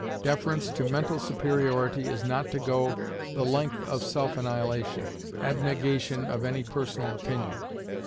Deference to mental superiority is not to go the length of self annihilation abnegation of any personal opinion.